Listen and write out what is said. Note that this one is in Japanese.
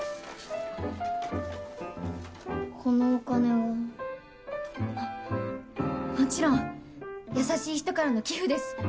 このお金は。ももちろん優しい人からの寄付です。